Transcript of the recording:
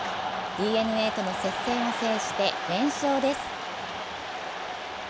ＤｅＮＡとの接戦を制して連勝です。